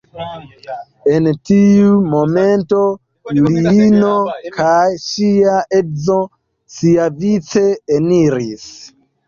En tiu momento Juliino kaj ŝia edzo siavice eniris.